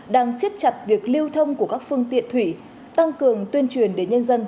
đang siết chặt việc lưu thông của các phương tiện thủy tăng cường tuyên truyền đến nhân dân